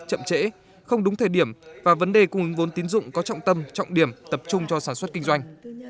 chậm trễ không đúng thời điểm và vấn đề cung ứng vốn tiến dụng có trọng tâm trọng điểm tập trung cho sản xuất kinh doanh